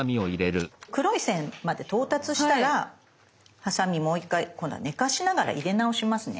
黒い線まで到達したらハサミもう１回今度は寝かしながら入れ直しますね。